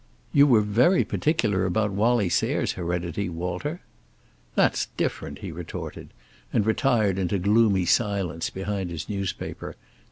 "You were very particular about Wallie Sayre's heredity, Walter." "That's different," he retorted, and retired into gloomy silence behind his newspaper.